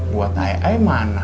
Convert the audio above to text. buat ai ai mana